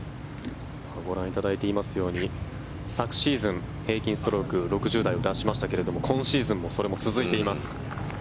ご覧いただいていますように昨シーズン、平均ストローク６０台を出しましたが今シーズンもそれも続いています。